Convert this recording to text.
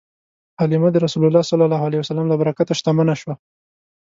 حلیمه د رسول الله ﷺ له برکته شتمنه شوه.